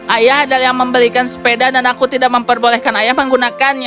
ayah adalah yang membelikan sepeda dan aku tidak memperbolehkan ayah menggunakannya